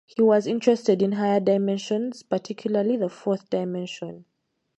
He was interested in higher dimensions, particularly the fourth dimension.